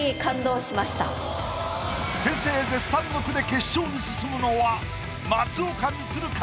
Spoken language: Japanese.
先生絶賛の句で決勝に進むのは松岡充か？